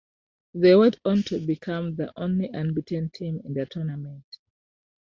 They went on to become the only unbeaten team in the tournament.